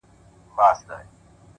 هره موخه تمرکز او نظم غواړي